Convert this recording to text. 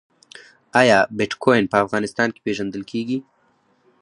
آیا بټکوین په افغانستان کې پیژندل کیږي؟